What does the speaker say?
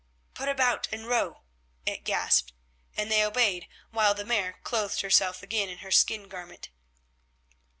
"Put about and row," it gasped, and they obeyed while the Mare clothed herself again in her skin garment.